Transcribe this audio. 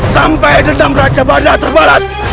sampai dendam raja barga terbalas